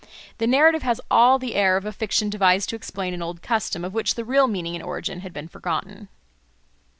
The narrative has all the air of a fiction devised to explain an old custom, of which the real meaning and origin had been forgotten.